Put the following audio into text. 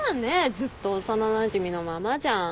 ずっと幼なじみのままじゃん。